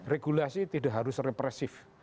regulasi tidak harus represif